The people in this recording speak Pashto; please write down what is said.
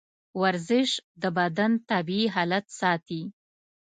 ورزش د بدن طبیعي حالت ساتي.